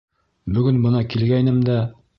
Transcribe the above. Бөгөн бына килгәйнем дә...